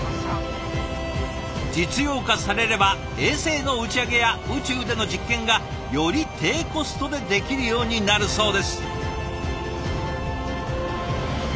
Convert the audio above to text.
実用化されれば衛星の打ち上げや宇宙での実験がより低コストでできるようになるそうです。